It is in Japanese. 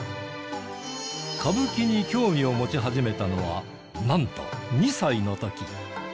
歌舞伎に興味を持ち始めたのはなんと２歳の時。